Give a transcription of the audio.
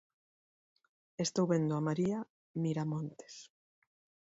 Estou vendo a María Miramontes.